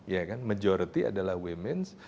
ya kan majority adalah women